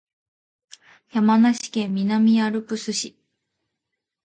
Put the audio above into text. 山梨県南アルプス市